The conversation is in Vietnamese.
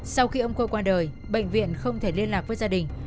sau khi ông cô qua đời bệnh viện không thể liên lạc với gia đình